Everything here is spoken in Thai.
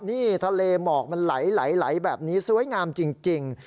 นี่ทะเลหมอกมันไหลแบบนี้สวยงามจริง